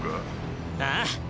ああ！